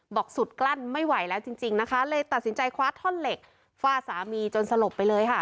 บอกสุดกลั้นไม่ไหวแล้วจริงจริงนะคะเลยตัดสินใจคว้าท่อนเหล็กฟาดสามีจนสลบไปเลยค่ะ